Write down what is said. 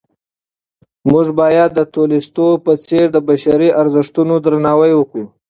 موږ باید د تولستوی په څېر د بشري ارزښتونو درناوی وکړو.